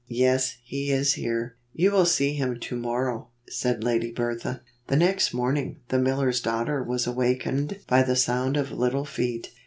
"Yes, he is here. You will see him to mor row," said Lady Bertha. The next morning, the miller's daughter was awakened by the sound of little feet.